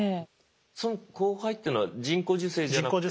その交配っていうのは人工授精じゃなくて？